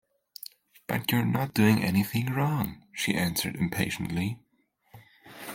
“But you’re not doing anything wrong,” she answered impatiently.